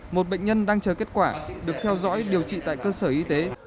một bệnh nhân đang chờ kết quả được theo dõi điều trị tại cơ sở y tế